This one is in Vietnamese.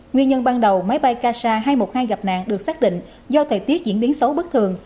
nguyên nhân ban đầu máy bay kasa hai trăm một mươi hai gặp nạn được xác định do thời tiết diễn biến xấu bất thường